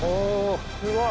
すごい。